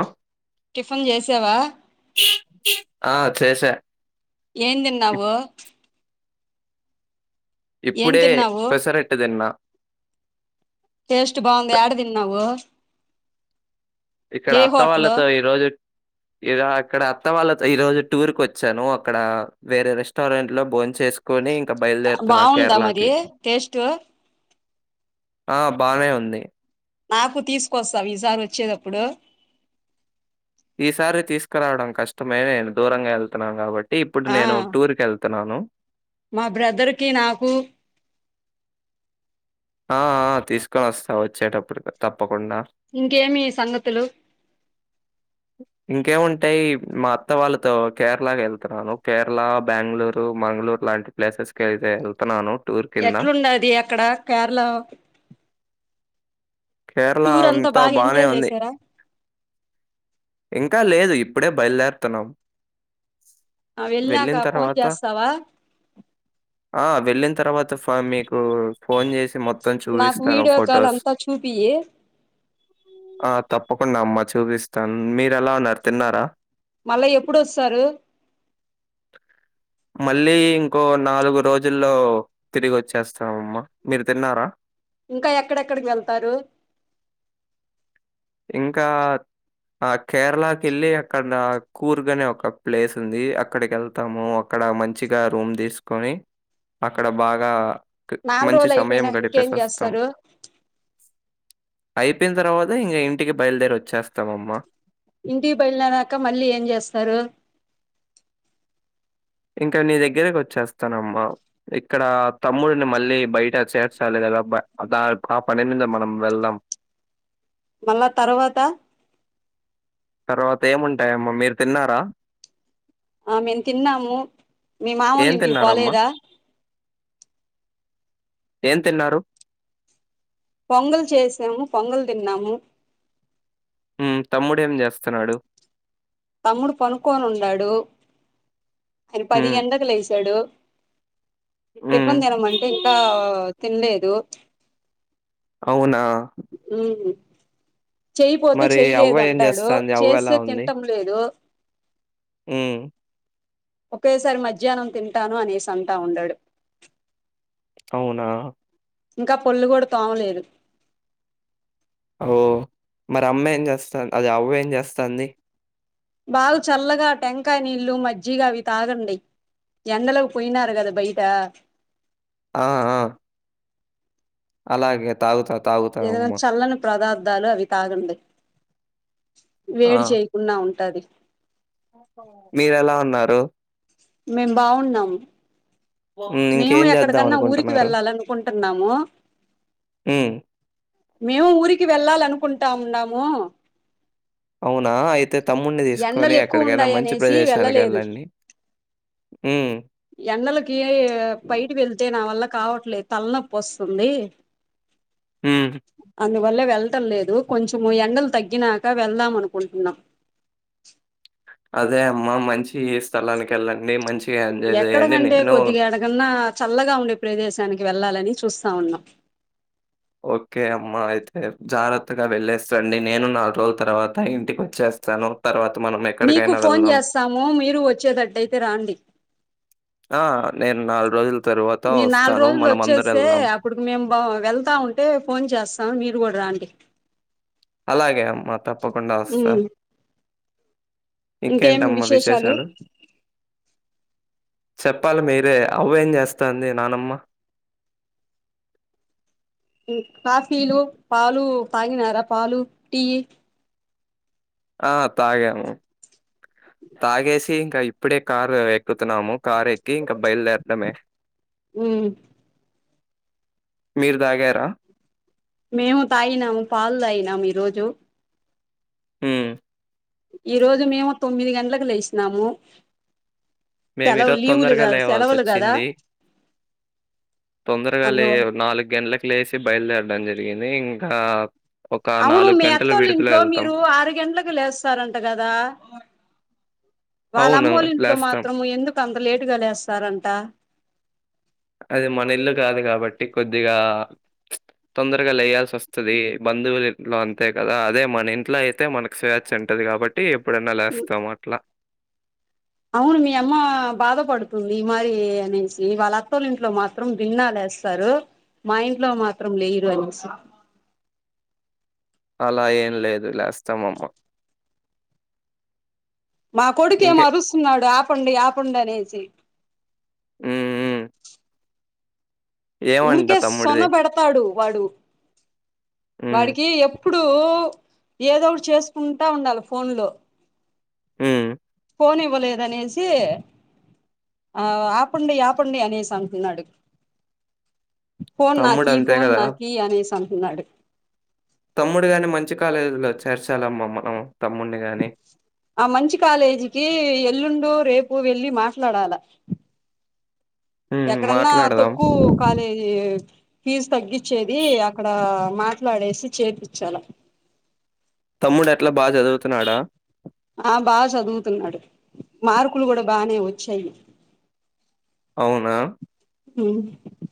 ఆ! టిఫిన్ చేసావా ఆ చేస ఎమ్ తిన్నావు ఏం ఇప్పుడే తిన్నావు పెసరట్టు తిన్న టేస్ట్ బాగుంది పె- ఎడ దిన్నావు ఇక్కడ అత్త వాళ్ళతో ఈరోోజు ఇడ ఇక్కడ అత్త వాళ్ళతో ఈ రోజు టూర్ కోచ్చాను అక్కడ వేరే రెస్టారెంట్ లో బోంచేస్ కొని ఇంకా బయలుదేరుతున్నా బాగుందా మరి కేరళకి టేస్ట్ ఆ బానే ఉంది నాకు తీసుకొస్తా ఈసారి వచ్చేదప్పుడు ఈసారి తీసుకురావడం కష్టమే నేను దూరంగా వెళ్తున్నాను కాబట్టి ఇప్పుడు ఆ నేను టూర్ కెల్ నాను మా బ్రదర్ కి నాకు ఆ ఆ తీసుకొని వస్తా వచ్చేటప్పుడు తప్పకుండా ఇంకేమి సంగతులు ఇంకేముంటాయి మా అత్త వాళ్ళతో కేరళకి వెళ్తున్నాను కేరళ బెంగళూరు మంగళూరు ఇలాంటి ప్లేసెస్ కైతె వెళ్తున్నాను ఎట్లుంనది అక్కడ కేరళ కేరళ టూర్ అంతా బాగా బానే ఎంజాయ్ ఉంది. చేసారా ఇంకా లేదు ఇప్పుడే బయలుదేరుతున్నాం. ఆ వెళ్ళిన వెళ్లాక ఫోన్ తర్వాత చేస్తావా ఆ వెళ్ళిన తర్వాత ఫ మీకు ఫోన్ చేసి మొత్తం నాకు చూపిస్తాను వీడియో కాల్ ఫొటోస్ అంతా చూపియి ఆ తప్పకుండా అమ్మా చూపిస్తాను మీరు ఎలావున్నారు తిన్నారా మళ్ళ ఎప్పుడస్తారు మళ్ళీ ఇంకో నాలుగు రోజుల్లో తిరిగి వచ్చేస్తామ్మ మీరు తిన్నారా ఇంకా ఎక్కడెక్కడికి వెళ్తారు ఇంకా ఆ కేరళకి వెళ్ళి అక్కడ కూర్గ అనే ఒక ప్లేస్ ఉంది అక్కడికి వెళ్తాము అక అక్కడ మంచిగా రూమ్ తీసుకొని అక్కడ బాగా కి నాలుగు మంచి రోజులు సమయం అయిపోయినాక ఇంకేం గడిపేసి వస్తాం. చేస్తారు అయిపోయిన తర్వాత ఇక ఇంటికి బయలుదేరి వచ్చేస్తామమ్మా ఇంటికి బయలుదేరక మళ్ళీ ఏం చేస్తారు ఇంకా నీ దగ్గరకి వచ్చేస్తానమ్మా ఇక్కడ తమ్ముడిని మళ్ళీ బయట చేర్చాలి గా రబ్బ దా ఆ పని మీద మనం వెళ్దం. మళ్ళ తర్వాత తర్వాత ఏముంటాయమ్మ మీరు తిన్నారా ఆ మేము తిన్నాము మీ ఏం మామోళ్ల ఇంటికి తిన్నారమ్మా? పోలేదా ఏం తిన్నారు పొంగలు చేసాము పొంగలు తిన్నాము. ఉ తమ్ముడు ఏం చేస్తున్నాడు. తమ్ముడు పనుక్కొని ఉన్నాడు ఆయన పది హ్మ్. గంటలకు లేస్ తడు హ్మ్. టిఫిన్ తిన మంటే ఇంకా తినలేదు. అవునా ఊ చెయిపోతే మరి అవ్వ చెయలేదు ఏం అంటాడు జేస్తాంది? చేస్తే తింటం లేదు ఊ ఒకేసారి మధ్యాహ్నం తింటాను అనేసి అంట ఉండాడు అవునా ఇంకా పళ్ళు కూడా తోమలేదు ఓ మరి అమ్మ ఏం చేస్తాం అది అవ్వ ఏం చేస్తాంది బాగ చల్లగా టెంకాయ నీళ్లు మజ్జిగా అవి తాగండి ఎండలకు పోయినారు కద బయట ఆ ఆ అలాగే తాగుతద్ ఏదైనా చల్లని ప్రదార్థాలు అవి తాగండి ఆ! వేడి చేయకుండా ఉంటాది మీరెలా ఉన్నారు మేం బాగున్నాము హ్మ్. మేము ఇంకేం చేద్దాం ఎక్కడకన్నా ఊరికి అనుకుంటున్నారు? వెళ్ళాలనుకుంటున్నాము హ్మ్. మేము ఊరికి వెళ్ళాలనుకుంటా ఉన్నాము అవునా అయితే తమ్మున్ని తీసుకొని ఎండలు ఎక్కువ ఎక్కడికైనా ఉన్నాయి మంచి ప్రదేశానికి ఎళ్ళండి. ఎండాలకీ బయటి వెళ్తే నా వల్ల కావట్లేద్ తలనొప్పోస్తుంది. హ్మ్ అందువల్ల వెళ్ళటం లేదు కొంచము ఎండలు తగ్గినాక వెళ్దాం అనుకుంటున్నాం. అదే అమ్మ మంచి స్థలానికెళ్ళండి. మంచిగా ఎంజాయ్ చేయండి. ఎక్కడకంటే నేను కొద్దిగా ఏడికన్నా చల్లగా ఉండే ప్రదేశం. దానికి వెళ్ళాలని చూస్తా ఉన్నం. ఓకే అమ్మా అయితే జారాత్తగా వెళ్ళేసి రండి నేను నాలురోల్ తర్వాత ఇంటికి వచ్చే స్తాను తర్వా మీకు ఫోన్ చేస్తాము మీరు వచ్చేటట్టయితే రాండి. ఆ నేన్ నాలు రోజుల్ మీమ్ నాల్ రోజుల్ వచ్చేస్తే అప్పుడుకి మేమ్ బా వెళ్తా ఉంటే ఫోన్ చేస్ ఆ మీరు గుడా రాండి అలాగే అమ్మా తప్పకుండ వస్తా ఉమ్ ఇంకేంటమ్మ విశేషాలు చెప్పాలి మీరే అవ్వేం చేస్తంది నానమ్మ కాఫీలు పాలు తగినార పాలు, టీ ఆ తాగాము తాగేసి ఇంక ఇప్పుడే కారు ఎక్కుతున్నాము. కార్ ఎక్కి ఇంక బయల్దేరడమే హ్మ్ మీర్ తాగారా మేము తాగినము పాలు తాగినాము ఈ రోజు హ్మ్ ఈ రోజు మేము తొమ్మిది గంట్లకు లేసినాము. మేము సెలవుల్ ఈరోజు లీవులు తొందరగా గా లేవాల్సి సెలవులు గదా వచ్చింది తొందరగా లే నాలు గంట్లకు లేసి బయలుదేరడం జరిగింది ఇంకా ఒక అవును నాలుగు మీ గంటలు అత్తోళ్ విడుదల ఇంట్లో వెళ్తాం మీరు ఆరు గంట్లకి లేస్తారంట గదా వాళ్ళ అవును అమ్మోలింట్లో లేస్తాం మాత్రము ఎందుకు అంత లేటుగా లేస్తారంట అది మన ఇల్లు కాదు కాబట్టి కొద్దిగా తొందరగా లేయాల్సి వస్తది బంధువులింట్లో అంతే కదా అదే మన ఇంట్లో అయితే మనకి స్వేచ్చా ఉంటది. కాబట్టి ఎప్పుడన్నా లేస్తాం అట్లా అవును మీ అమ్మ బాధ పడుతుంది మరి అనేసి వాళ్ళ అత్తలింట్లో మాత్రం తిన్నా లే చేస్తారు మా ఇంట్లో మాత్రం లేరు అనేసి అలా ఏం లేదు లేస్తాం అమ్మ మా కొడుకెమో అరుస్తున్నాడు ఆపండి ఆపండి అనేసి మ్మ్ హు ఊరికే తమ్ముడిది? సొన్నబెడతాడు వాడు హ్మ్. వాడికి ఎప్పుడు ఏదో ఒకటి చేసుకుంటా ఉండాల ఫోన్ లో మ్మ్ ఫోన్ ఇవ్వలేదనేసి ఆ ఆపండి ఆపండి అనేసి అంటున్నాడు ఫోన్ తమ్ముడు నాకి అంతే ఫోన్ గదా! నాకి అనేసి అంటున్నాడు తమ్ముడు గాని మంచి కాలేజీలో చేర్చాలమ్మ మనం తమ్ముడిని గాని. ఆ మంచి కాలేజీకి ఎల్లుండు రేపు పూ వెళ్ళి మాట్లాడాల హ్మ్. ఎక్కడన్నా మాట్లాడదాం. తొక్కువు కాలేజీ ఫీజు తగ్గించేది అక్కడ మాట్లాడేసి చేపిచ్చాల తమ్ముడు ఎట్లా బాగా చదువుతున్నాడా ఆ బాగా చదువుతున్నాడు మార్కులు కూడా బానే వచ్చాయి అవునా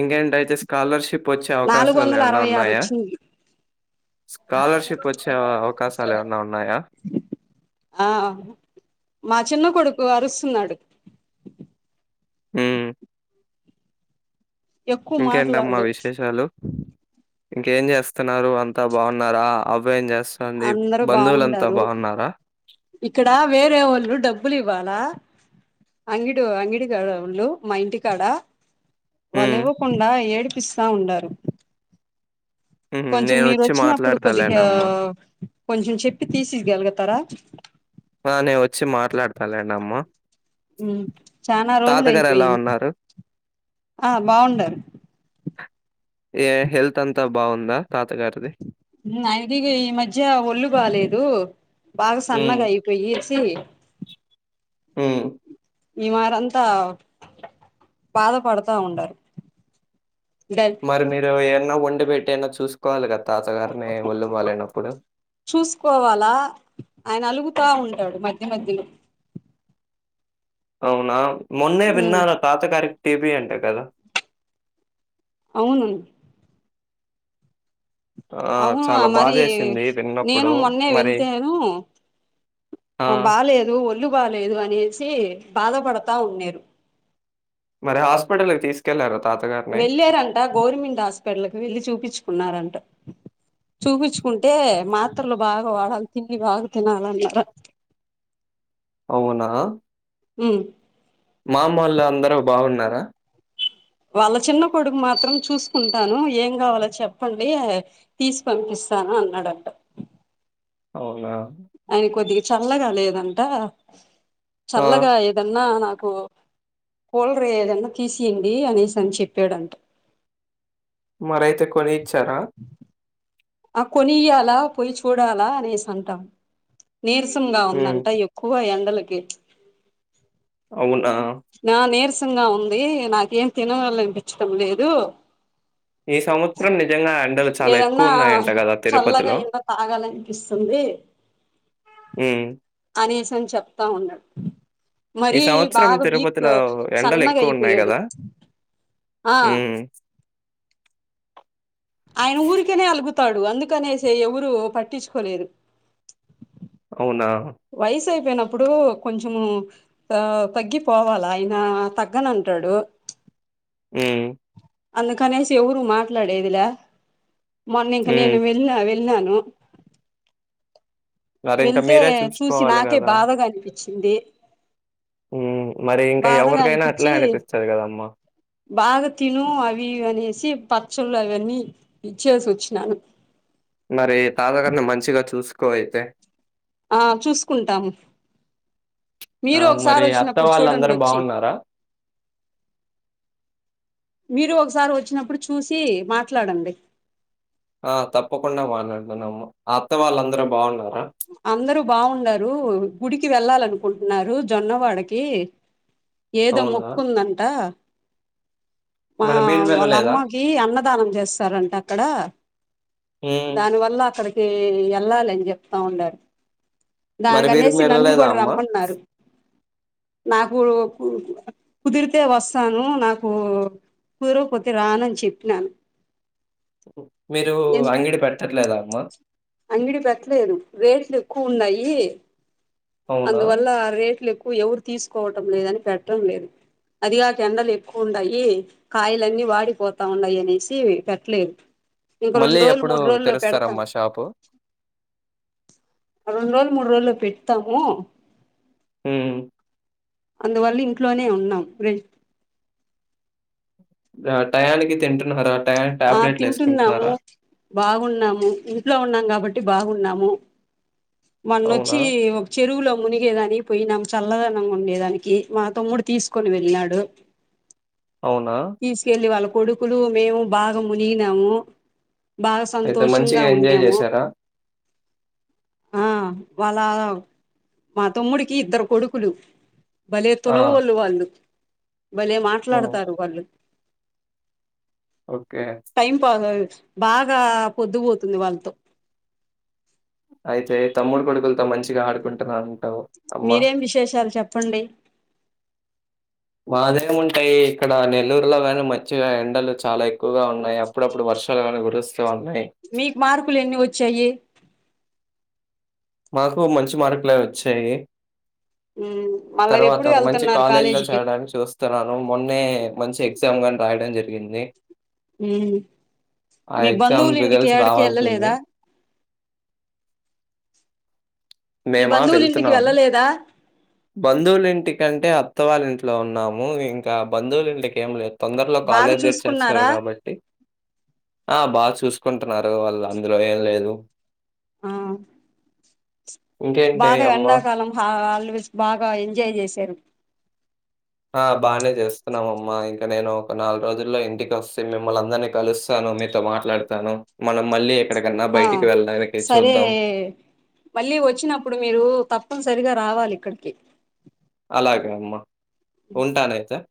ఇంకేంటి అయితే స్కాలర్షిప్ వచ్చే నాలుగు అవకాశాలు వందల ఏమన్నా అరవై ఆరు ఉన్నాయా వచ్చింది స్కాలర్షిప్ వచ్చే అవకాశాలు ఏమన్నా ఉన్నాయా ఆ మా చిన్న కొడుకు అరుస్తున్నాడు ఉ ఎక్కువ ఇంకేంటమ్మా మాట్లాడు విశేషాలు ఇంకేం చేస్తున్నారు అంతా బాగున్నారా అబ్బా ఏం చేస్త అందరు బాగుండారు ఇక్కడ వేరే వాళ్ళు డబ్బులు ఇవ్వాలా అంగిడు అంగిడు కాడ ఉళ్ళు మా ఇంటికాడ వాళ్ళు హ్మ్. ఇవ్వకుండా ఏడిపిస్తా ఉండారు హుహు. కొంచెం మీరు నేనొచ్చి వచ్చినప్పుడు మాట్లాడతాలేండి కొద్దిగా అమ్మ. కొంచెం చెప్పి తీసియగలుగుతారా ఆ నే వచ్చి మాట్లాడతాలేండి అమ్మ ఉ చనా రోజులు తాతగారు ఎలా అయిపోయింది ఉన్నారు? ఆ బాగుండారు ఏ హెల్త్ అంతా బాగుందా తాతగారిది ఐది ఈ మధ్య ఒళ్ళు బాలేదు బాగా హ్మ్. సన్నగా అయిపోయి వ ఉ ఈ మారంతా బాధపడతా ఉండారు డై మరి మీరు ఏన్న వండి పెట్టి ఏన్న చూసుకోవాలి కదా తాతగారిని ఒళ్ళు బాలేనప్పుడు. చూసుకోవాలా ఆయన అలుగు తా ఉంటాడు మధ్య మధ్యలో అవునా మొన్నే ఉమ్ విన్నా తాతగారికి టీబీ అంట కదా అవును ఆ! అవును చాలా మరి బాధేసింది నేను విన్నప్పుడు. మొన్నే మరి వెళ్తేను ఆ బాలేదు ఒళ్ళు బాలేేదు అనేసి బాధపడతా ఉన్నేరు మరి హాస్పిటల్ తీసుకెల్లారా వెళ్ళారంట గోరుమెంట్ హాస్పిటల్కి వెళ్ళి చూపించుకున్నారంట చూపించుకుంటే మాత్రలు బాగా వాడాలి తిండి బాగా తినాలన్నారు అవునా అ మామ్మళ్ళు అందరూ బాగున్నారా వాళ్ళ చిన్న కొడుకు మాత్రం చూసుకుంటాను ఏం కావాలో చెప్పండి తీసి పంపిస్తా తాను అన్నాడంట అవునా ఆయన కొద్దిగా చల్లగా లేదంట ఆ! చల్లగా ఏదన్నా కోల్ రే ఏదన్నా తీసీయండి అనేసని చెప్పాడంట మరైతే కొని ఇచ్చారా ఆ కొనీయ్యాలా పొయ్ చూడాలా అనేసంట నీరసంగా హ్మ్. ఉందంట ఎక్కువ ఎండలకి అవున్ నా నీరసంగా ఉంది నాకేం తినవాలనిపిచటం లేదు ఈ సంవత్సరం నిజంగా ఎండలు చాలా ఏదన్నా ఎక్కువున్నాయంట గదా చల్లగా తిరుపతిలో? ఎన్న తాగాలనిపిస్తుంది హ్మ్. అనేసని చెప్తా ఉండా ఈ సంవత్సరం తిరబత్ ఎండ సన్నగా లెక్కువున్నాయి అయిపోయాడు గదా ఆ మ్మ్ ఆయన ఊరికేనే అలుగుతాడు అందుకనేసే ఎవురూ పట్టిచుకోలేరు అవునా పొయినప్పుడు కొంచుం ఆ తగ్గిపోవాల ఆయన తగ్గనంటాడు మ్మ్ అందుకనేసి ఎవురూ మాట్లాడేదిలా మొన్న ఇంక హ్మ్. నేను వెళ్ళ వె ఉన్నాను మరింక వెళ్తే మీరే చూసి చూసుకోవాలి నాకే గదా! బాధగా అనిపి చ్చిందే హ్మ్. మరి ఇంక బాధగా ఎవరికైనా అట్లే అనిపిచ్చి అనిపిస్తది గదమ్మా! బాగ తీ అవి ఇవనేసి పచ్చళ్ళు అవన్నీ ఇచ్చేసి వచ్చినాను మరి తాదగారిని మంచిగా చూసుకో అయితే ఆ చూసుకుంటామ్ ఆ మరి అత్త వాళ్ళందరూ వచ్చి బాగున్నారా మీరు ఒకసారి వచ్చినప్పుడు చూసి మాట్లాడండి ఆ తప్పకుండా మాట్లాడతానమ్మ అత్త వాళ్ళందరూ బాగున్నా అందరూ బావుండారు గుడి కి వెళ్ళాలనుకుంట్నారు జొన్నవాడకి ఏదో అవునా! మొక్కుందంట ఆ మరి మీరు వాళ్ళ వెళ్ళలేదా? అమ్మాకి అన్న దానం చేస్తారంట అక్కడ హ్మ్. దాని వల్ల అక్కడికి ఎళ్ళాలన్ జె తావుండారు మరి మీరు దానికనేసి నన్ను వెళ్ళలేదా గూడ అమ్మా? రమ్మన్నారు నాకు కు కుదిరితే వస్తాను నాకు కుదరకపోతే రానని చెప్నాను మీరు అంగిడి పెట్టట్లేదా అమ్మా అంగిడి పెట్లేదు రేట్లు ఎక్కువ ఉన్నాయి అవునా? అందువల్ల రేట్లు ఎక్కువ ఎవురు తీసుకోవటం లేదని పెట్టం లేదు అదిగాక ఎండలు ఎక్కువుండాయి కాయలన్నీ వాడిపోతా ఉన్నాయనేసి పెట్లేదు ఇంక రొండు మళ్ళీ రోలు ఎప్పుడు మూడు రోలో పెడతాం తెరుస్తారమ్మా షాపు? రొండు రోలు మూడు రోలో పెడ్తాము మ్మ్ అందువల్ల ఇంట్లోనే ఉన్నాం టయానికి తింట్నారా ఆ తింటున్నాము బాగున్నాము ఇంట్లో ఉన్నాం కాబట్ బాగున్నాము అవునా? మన్నొచ్చి ఒక చెరువులో మునిగేదాని పొయినాం చల్లదనం గుండేదానికి మా తమ్ముడు తీసుకోని వెళ్ళినాడు అవునా? తీసుకెళ్లి వాళ్ళ కొడుకులు మేము బాగా మునిగినాము బాగా అయితే సంతోషంగా మంచిగా ఎంజాయ్ ఉండేము చేశారా? ఆ వాళ మా తమ్ముడికి ఇద్దరు కొడుకులు భలే ఆ! తులవళ్ళు వాళ్ళు భలే హ్మ్. మాట్లాడతారు వాళ్ళు ఓకే. టైం పాస్ బాగా పొద్దు పోతుంది వాళ్ళతో అయితే తమ్ముడు కొడుకులతో మంచిగా ఆడుకుంటున్నారు అన్నమాట మీరేం విశేషాలు చెప్పండి అ ఇక్కడ నెల్లూరులో కాగానీ మంచిగా ఎండలు చాలా ఎక్కువగా ఉన్నాయి అప్పుడప్పుడు వర్షాలు కానీ మీకు మార్కులు ఎన్ని వచ్చాయి మాకు మంచి మార్కులే వచ్చాయి ఉహు తర్వాత ఒక మంచి కాలేజ్ లో చేరడానికి చూస్తున్నాను మొన్నే మంచి ఎగ్జామ్ గాని రాయడం జరిగింది ఆ మీ ఎగ్జామ్ బంధువులు ఇంటికి రిజల్ట్స్ ఏడకి రావాల్సింది వెళ్ళలేదా మీ బంధువులు ఇంటికి వెళ్ళలేదా బంధువులు ఇంటికంటే అత్త వాళ్ళ ఇంట్లో ఉన్నాము ఇంకా బంధువులు ఇంటికి ఏం తొందరలో బాగా కాలేజేట్ చేస్తున్నారు చూసుకున్నారా కాబట్టి ఆ బాగా చూసుకుంటున్నారు వాళ్ళు అందులో ఏం లేదు ఆ ఇంకేంటి బాగా అమ్మ? ఎండాకాలం హా హాలిడేస్ బాగా ఎంజాయ్ చేశారు ఆ బాగానే చేస్తున్నాంమ్మా ఇంకా నేను ఒక నాలుగు రోజుల్లో ఇంటికి వస్తే మిమ్మల్ అందరినీ కలుస్తాను మీతో మాట్లాడతాను మనం మళ్ళీ ఎక్కడికన్నా ఆ బయటికి వెళ్ళడానికి సరే చూద్దాం. మళ్ళీ వచ్చినప్పుడు మీరు తప్పనిసరిగా రావాలి ఇక్కడికి అలాగే అమ్మా ఉంటానయితే